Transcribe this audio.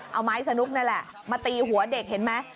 เอาไม้สนุกนั่นแหละมาตีหัวเด็กเห็นไหม